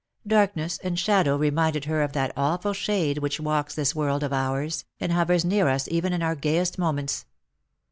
Darkness and shadow reminded her of that awful shade which walks this world of ours, and hovers near us even in our gayest moments.